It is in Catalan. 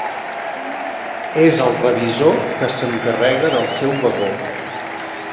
És el revisor que s'encarrega del seu vagó.